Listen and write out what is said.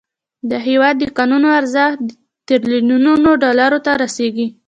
د هیواد د کانونو ارزښت تریلیونونو ډالرو ته رسیږي.